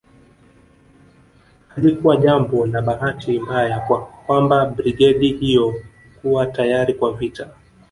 Halikuwa jambo la bahati mbaya kwamba brigedi hiyo kuwa tayari kwa vita